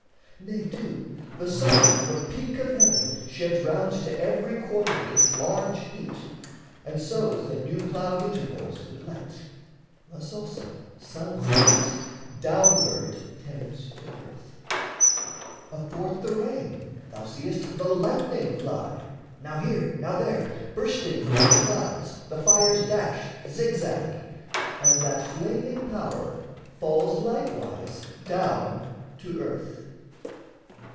Nay, too, the sun from peak of heaven Sheds round to every quarter its large heat, And sows the new ploughed intervales with light: Thus also sun's heat downward tends to earth. Athwart the rain thou seest the lightning fly; Now here, now there, bursting from out the clouds, The fires dash zig zag and that flaming power Falls likewise down to earth.